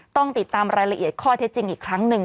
ต้องติดตามรายละเอียดข้อเท็จจริงอีกครั้งหนึ่ง